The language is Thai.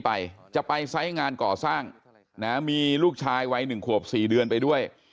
ไปจะไปไซส์งานก่อสร้างนะมีลูกชายวัย๑ขวบ๔เดือนไปด้วย